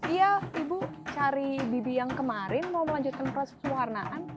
iya ibu cari bibi yang kemarin mau melanjutkan proses pewarnaan